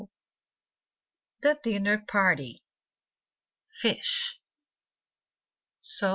The Dinner Party Fish "So..."